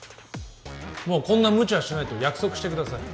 もうこんな無茶はしないと約束してください